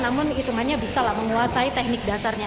namun hitungannya bisa lah menguasai teknik dasarnya